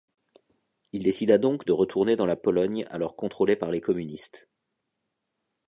Il décida donc de retourner dans la Pologne alors contrôlée par les communistes.